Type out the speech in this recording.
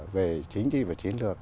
về chính trị và chiến lược